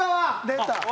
出た！